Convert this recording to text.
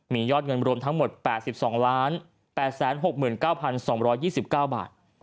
มียอดเงินรวมทั้งหมด๘๒๘๖๙๒๒๙บาท